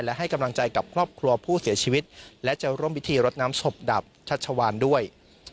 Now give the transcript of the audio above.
และให้กำลังใจกับครอบครัวผู้เสียชีวิตและจะร่วมพิธีรดน้ำศพดับชัชวานด้วย